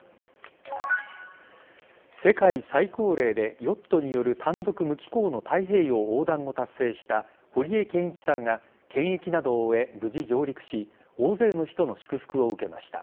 世界最高齢でヨットによる単独無寄港の太平洋横断を達成した堀江謙一さんが検疫などを終え無事上陸し大勢の人の祝福を受けました。